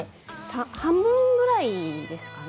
半分ぐらいですね。